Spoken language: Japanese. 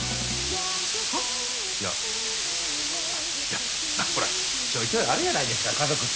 いやいやまあほらちょいちょいあるやないですか家族って。